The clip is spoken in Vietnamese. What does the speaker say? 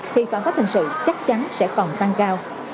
thì phạm pháp hình sự chắc chắn sẽ còn tăng cao